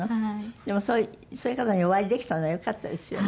でもそういう方にお会いできたのはよかったですよね。